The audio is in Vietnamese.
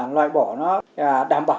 loại bỏ nó đảm bảo